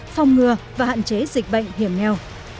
phòng ngừa và hạn chế dịch bệnh hiểm nghèo